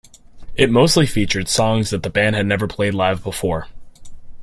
It mostly featured songs that the band had never played live before.